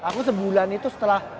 aku sebulan itu setelah